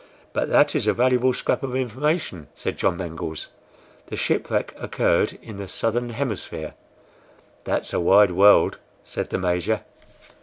"But that is a valuable scrap of information," said John Mangles. "The shipwreck occurred in the southern hemisphere." "That's a wide world," said the Major.